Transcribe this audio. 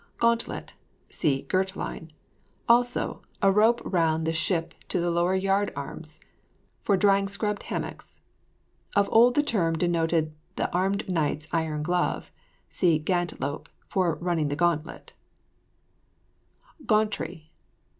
GAUNTLET. (See GIRT LINE.) Also, a rope round the ship to the lower yard arms, for drying scrubbed hammocks. Of old the term denoted the armed knight's iron glove. (See GANT LOPE, for running the gauntlet.) GAUNTREE.